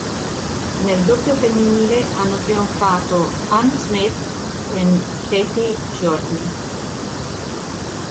Nel doppio femminile hanno trionfato Anne Smith e Kathy Jordan.